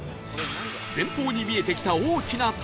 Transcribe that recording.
前方に見えてきた大きな建物